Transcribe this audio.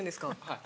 はい。